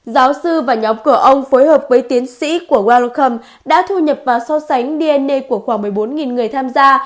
giáo sư và nhóm cửa ông phối hợp với tiến sĩ của warokham đã thu nhập và so sánh dn của khoảng một mươi bốn người tham gia